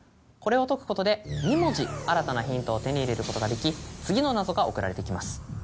これを解くことで２文字新たなヒントを手に入れることができ次の謎が送られてきます。